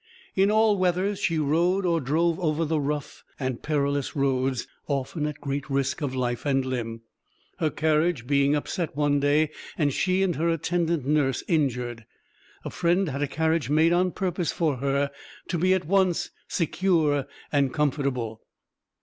In all weathers she rode or drove over the rough and perilous roads, often at great risk of life and limb. Her carriage being upset one day, and she and her attendant nurse injured, a friend had a carriage made on purpose for her, to be at once secure and comfortable.